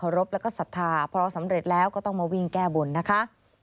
รบแล้วก็ศรัทธาพอสำเร็จแล้วก็ต้องมาวิ่งแก้บนนะคะ